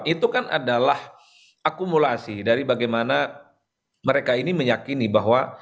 itu kan adalah akumulasi dari bagaimana mereka ini meyakini bahwa